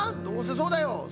どうせそうだよ。